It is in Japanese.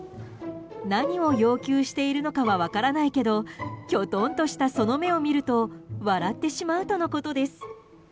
何を要求しているのかは分からないけどキョトンとした、その目を見ると笑ってしまうとのことです。